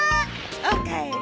おかえり。